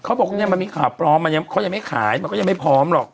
เขาบอกไงมันมีขอบพร้อมมันยังไม่ขายก็ยังไม่พร้อมหรอก